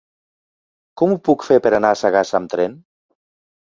Com ho puc fer per anar a Sagàs amb tren?